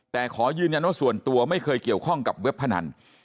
แต่ขอยืนยันว่าส่วนตัวไม่เคยเกี่ยวข้องกับเว็บพนัน